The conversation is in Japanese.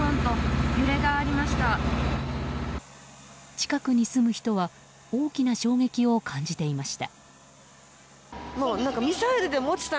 近くに住む人は大きな衝撃を感じていました。